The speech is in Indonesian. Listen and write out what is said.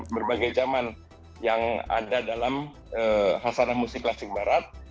berbagai jaman yang ada dalam khasana musik klasik barat